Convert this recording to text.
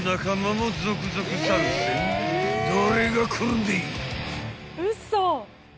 ［誰が来るんでい？］